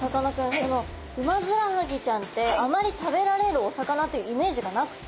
そのウマヅラハギちゃんってあまり食べられるお魚っていうイメージがなくて。